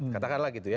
katakanlah gitu ya